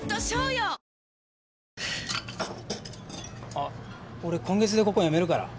あっ俺今月でここ辞めるから。